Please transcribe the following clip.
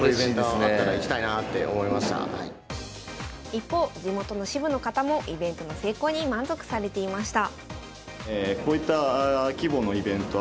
一方地元の支部の方もイベントの成功に満足されていました。